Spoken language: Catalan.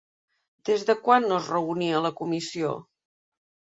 Des de quan no es reunia la comissió?